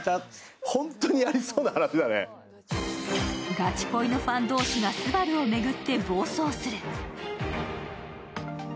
ガチ恋のファン同士がスバルを巡って暴走する。